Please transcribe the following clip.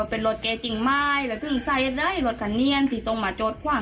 เป็นทิเวียนรถมั้นน่ะ